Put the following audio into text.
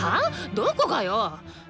どこがよ！？